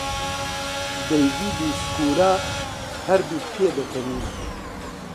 دەیڤد و سکورا هەردووک پێدەکەنین.